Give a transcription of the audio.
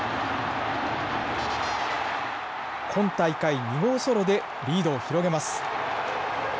今大会２号ソロでリードを広げます。